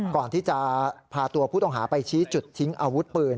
ก่อนที่จะพาตัวผู้ต้องหาไปชี้จุดทิ้งอาวุธปืน